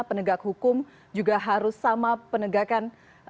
penegak hukum juga harus sama penegakan